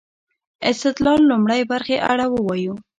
استدلال لومړۍ برخې اړه ووايو.